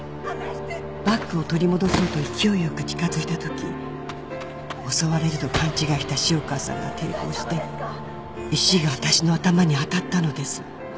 「バッグを取り戻そうと勢いよく近づいたとき襲われると勘違いした潮川さんが抵抗して石が私の頭に当たったのです」